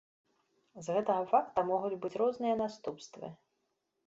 З гэтага факта могуць быць розныя наступствы.